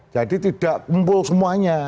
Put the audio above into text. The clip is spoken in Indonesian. jadi tidak kumpul semuanya